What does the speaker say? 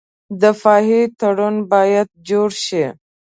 دفاعي تړون باید جوړ شي.